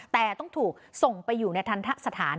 แต่ต้องถูกส่งไปอยู่ในทันทะสถาน